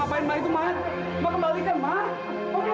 enggak mama harus bakar semuanya